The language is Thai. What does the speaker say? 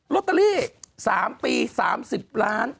ลอตเตอรี่๓ปี๓๐ล้าน